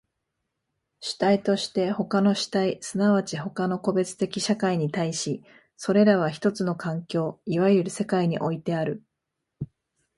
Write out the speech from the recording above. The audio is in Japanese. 主体として他の主体即ち他の個別的社会に対し、それらは一つの環境、いわゆる世界においてある。